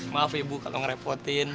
maaf ibu kalau ngerepotin